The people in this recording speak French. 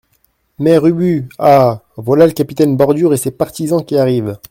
Mère Ubu Ah ! voilà le capitaine Bordure et ses partisans qui arrivent.